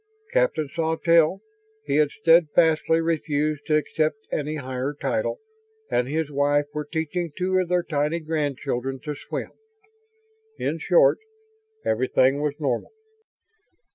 Captain Sawtelle he had steadfastly refused to accept any higher title and his wife were teaching two of their tiny grandchildren to swim. In short, everything was normal.